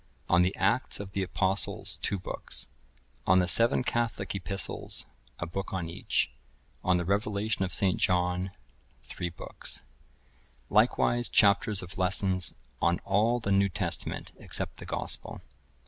On the Acts of the Apostles, two books. On the seven Catholic Epistles, a book on each. On the Revelation of St. John, three books. Likewise, Chapters of Lessons on all the New Testament, except the Gospel.